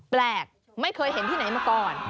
แปลกไม่เคยเห็นที่ไหนมาก่อน